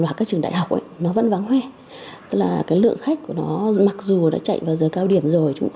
thực tế là lượng khách của nó mặc dù đã chạy vào giờ cao điểm rồi